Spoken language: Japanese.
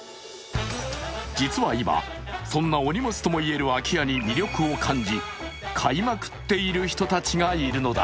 実は今、そんなお荷物とも言える空き家に魅力を感じ買いまくっている人たちがいるのだ。